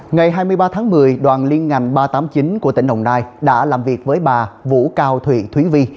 ngày hai mươi ba tháng một mươi đoàn liên ngành ba trăm tám mươi chín của tỉnh đồng nai đã làm việc với bà vũ cao thụy thúy vi